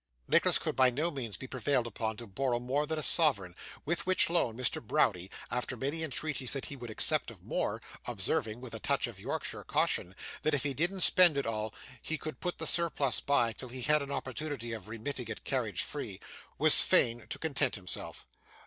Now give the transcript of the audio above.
Nicholas could by no means be prevailed upon to borrow more than a sovereign, with which loan Mr. Browdie, after many entreaties that he would accept of more (observing, with a touch of Yorkshire caution, that if he didn't spend it all, he could put the surplus by, till he had an opportunity of remitting it carriage free), was fain to content himself.